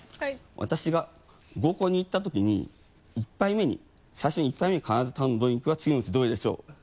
私が合コンに行った時に１杯目に最初の１杯目に必ず頼むドリンクは次のうちどれでしょう？